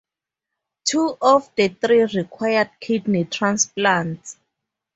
Two of the three required kidney transplants.